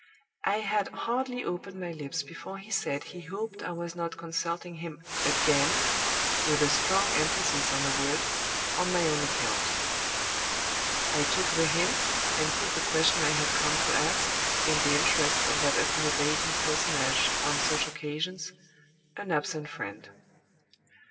I had hardly opened my lips before he said he hoped I was not consulting him again (with a strong emphasis on the word) on my own account. I took the hint, and put the question I had come to ask, in the interests of that accommodating personage on such occasions an absent friend.